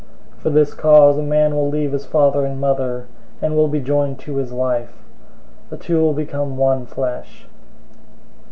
005:031 "For this cause a man will leave his father and mother, and will be joined to his wife. The two will become one flesh."